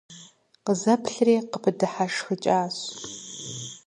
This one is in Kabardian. Къызэплъри, къыпыдыхьэшхыкӀащ.